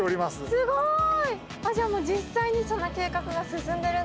すごい。